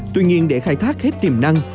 tuy nhiên để khai thác hết tiềm năng